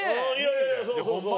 いやいやそうそうそう。